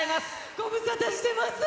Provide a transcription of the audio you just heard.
ご無沙汰してます。